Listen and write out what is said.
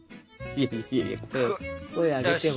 いやいや声上げても。